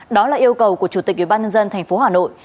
đó là yêu cầu của chủ tịch ubnd tp hà nội